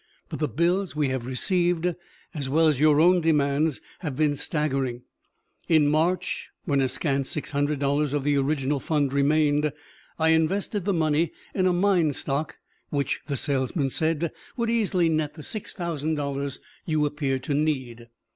But the bills we have received, as well as your own demands, have been staggering. In March, when a scant six hundred dollars of the original fund remained, I invested the money in a mine stock which, the salesman said, would easily net the six thousand dollars you appeared to need.